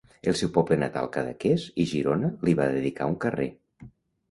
El seu poble natal Cadaqués i Girona li va dedicar un carrer.